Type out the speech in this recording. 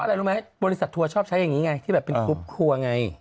กลุ๊ปทัวร์ชอบใช้อย่างนี้ไงที่แบบเป็นกลุ๊ปทัวร์ไง